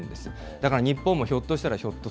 だから日本もひょっとしたらひょ